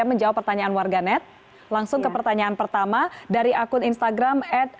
menjawab pertanyaan warganet langsung ke pertanyaan pertama dari akun instagram at